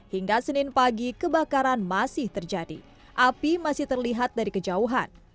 hingga senin pagi kebakaran masih terjadi api masih terlihat dari kejauhan